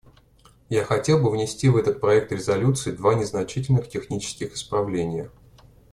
Я хотел бы внести в этот проект резолюции два незначительных технических исправления.